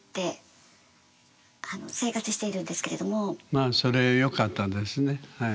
まあそれはよかったですねはい。